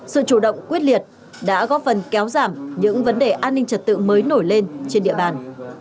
sự chủ động quyết liệt đã góp phần kéo giảm những vấn đề an ninh trật tự mới nổi lên trên địa bàn